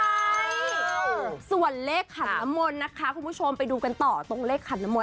โอ้โหส่วนเลขขัยละมนต์นะคะคุณผู้ชมไปดูกันต่อตรงเลขขัยละมนต์